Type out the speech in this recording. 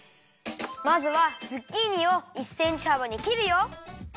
まずはズッキーニを１センチはばにきるよ。